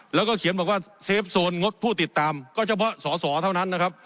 แล้วก็เขียนบอกว่าเซฟโซนงดผู้ติดตามก็เฉพาะสอสอเท่านั้นนะครับ